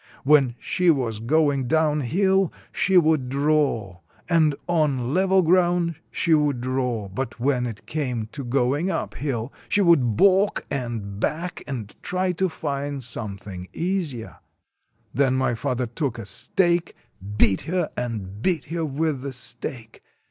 When she was going downhill she would draw, and on level ground she would draw; but when it came to going uphill, she w^ould balk and back and try to find something easier. Then my father took a stake, beat her and beat her with the stake.